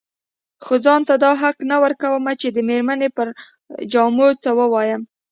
خو ځان ته دا حق نه ورکوم چې د مېرمنې پر جامو څه ووايم.